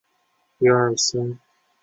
对外交通主要是火车往来因特拉肯。